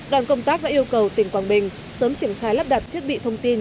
đoàn công tác đã yêu cầu tỉnh quảng bình sớm triển khai lắp đặt thiết bị thông tin